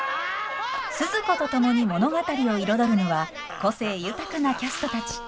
スズ子と共に物語を彩るのは個性豊かなキャストたち。